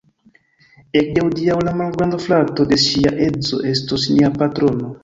Ekde hodiaŭ la malgranda frato de ŝia edzo estos nia patrono